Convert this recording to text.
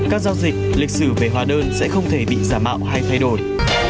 các giao dịch lịch sử về hóa đơn sẽ không thể bị giả mạo hay thay đổi